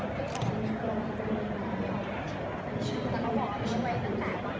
พี่แม่ที่เว้นได้รับความรู้สึกมากกว่า